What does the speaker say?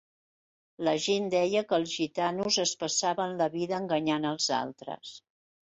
La gent deia que els gitanos es passaven la vida enganyant els altres.